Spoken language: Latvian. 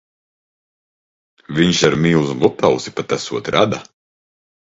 Viņš ar milzi Lutausi pat esot rada.